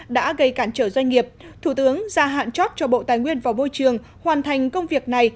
đã gây cản trở doanh nghiệp thủ tướng ra hạn chót cho bộ tài nguyên và môi trường hoàn thành công việc này